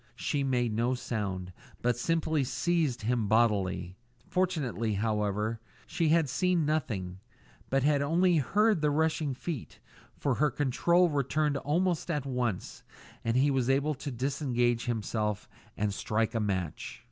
She made no sound, but simply seized him bodily. Fortunately, however, she had seen nothing, but had only heard the rushing feet, for her control returned almost at once, and he was able to disentangle himself and strike a match.